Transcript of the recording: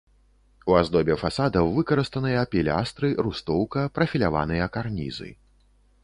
У аздобе фасадаў выкарыстаныя пілястры, рустоўка, прафіляваныя карнізы.